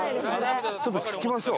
ちょっと聞きましょう。